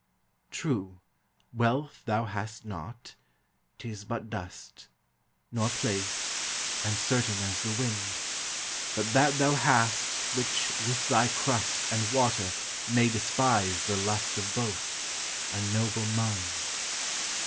True, wealth thou hast not 'tis but dust; Nor place uncertain as the wind; But that thou hast, which, with thy crust And water, may despise the lust Of both a noble mind.